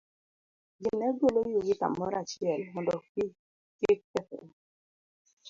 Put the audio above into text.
Ji ne golo yugi kamoro achiel mondo pi kik kethre.